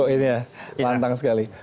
ini ya mantang sekali